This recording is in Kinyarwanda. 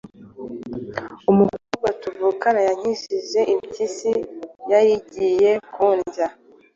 Umukobwa tuvukana yankijije impyisi yari igiye kundya.